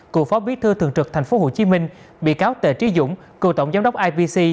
cựu phó bí thư thường trực tp hcm bị cáo tề trí dũng cựu tổng giám đốc ipc